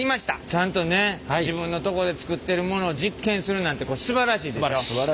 ちゃんとね自分のとこで作ってるものを実験するなんてすばらしいです。